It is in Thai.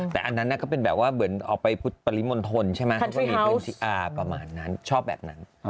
แต่อันนั้นก็เป็นแบบว่าเหมือนออกไปพุทธปริมณฑลใช่ไหมประมาณนั้นชอบแบบนั้น